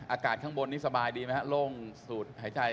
อากาศข้างบนนี้สบายดีไหมฮะโล่งสูดหายใจ